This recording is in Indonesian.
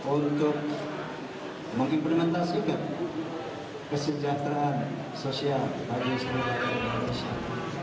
untuk mengimplementasikan kesejahteraan sosial bagi semua orang indonesia